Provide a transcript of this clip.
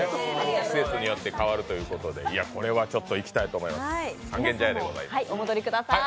季節によって変わるということで、これは行きたいと思います、三軒茶屋です。